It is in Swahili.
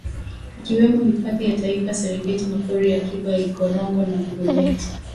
ikiwemo Hifadhi ya Taifa Serengeti Mapori ya Akiba ya Ikorongo na Grumeti